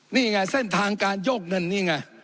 นี่ไงเส้นทางการโยกเงินนี่ไง